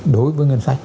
đối với ngân sách